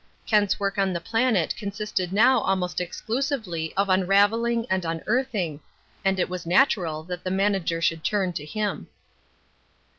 Kent's work on the Planet consisted now almost exclusively of unravelling and unearthing, and it was natural that the manager should turn to him.